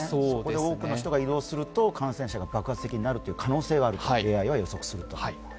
多くの人が移動すると感染者が爆発的になるとＡＩは予測すると。